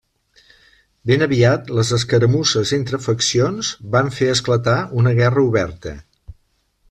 Ben aviat les escaramusses entre faccions van fer esclatar una guerra oberta.